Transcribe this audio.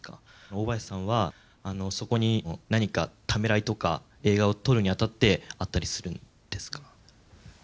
大林さんはそこに何かためらいとか映画を撮るにあたってあったりするんですか？